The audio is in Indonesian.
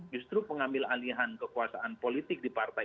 justru pengambil alihan kekuasaan politik di partai